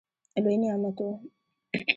لوی نعمت وو.